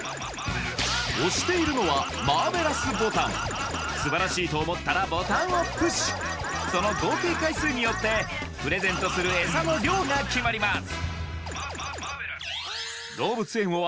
押しているのはマーベラスボタン素晴らしいと思ったらボタンをプッシュその合計回数によってプレゼントするエサの量が決まります